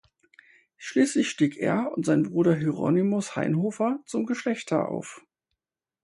Schließlich stieg er und sein Bruder Hieronymus Hainhofer zum Geschlechter auf.